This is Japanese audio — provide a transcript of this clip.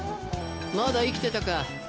まだ生きてたか。